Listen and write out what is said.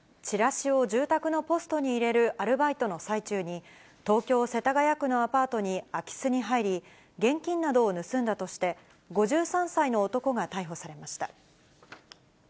チラシを住宅のポストに入れるアルバイトの最中に、東京・世田谷区のアパートに空き巣に入り、現金などを盗んだとして、５３歳の男が逮捕されました。